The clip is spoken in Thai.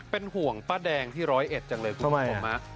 เป็นห่วงป้าแดงที่ร้อยเอ็ดจังเลยคุณผู้ชม